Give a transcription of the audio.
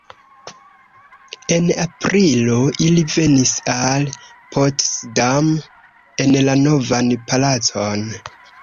En aprilo ili venis al Potsdam en la Novan palacon.